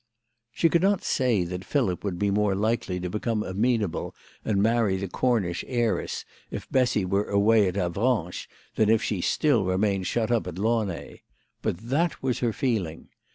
She could not say that Philip would be more likely to become amenable and marry the Cornish heiress if Bessy were away at Avranches than if she still re mained shut up at Launay. But that was her feeling.